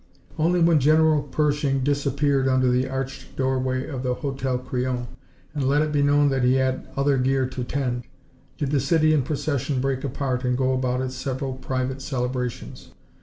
Only when General Pershing disappeared under the arched doorway of the Hotel Crillon, and let it be known that he had other gear to tend, did the city in procession break apart and go about its several private celebrations.